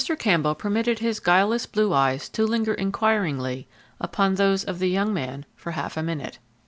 Campbell permitted his guileless blue eyes to linger inquiringly upon those of the young man for half a minute.